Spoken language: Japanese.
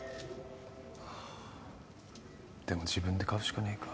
まあでも自分で買うしかねえか。